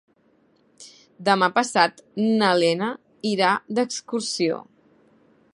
Demà passat na Lena irà d'excursió.